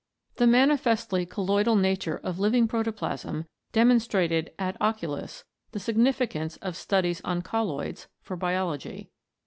The manifestly colloidal nature of living protoplasm demonstrated ad oculos the significance of studies on colloids for Biology.